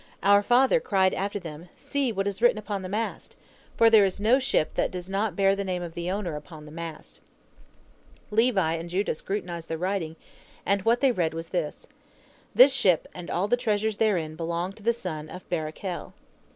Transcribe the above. Our father cried after them, 'See what is written upon the mast,' for there is no ship that does not bear the name of the owner upon the mast. Levi and Judah scrutinized the writing, and what they read was this, 'This ship and all the treasures therein belong unto the son of Barachel.'